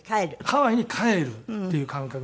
ハワイに帰るっていう感覚なので。